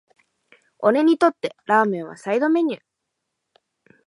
俺にとってラーメンはサイドメニュー